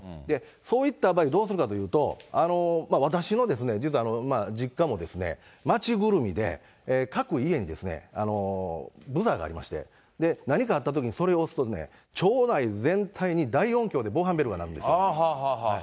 そういった場合、どうするかというと、私の実は実家も、町ぐるみで各家にブザーがありまして、何かあったときにそれを押すと、町内全体に大音響で防犯ベルが鳴るんですよ。